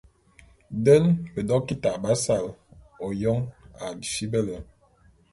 Den bedokita b'asal ôyôn a fibele.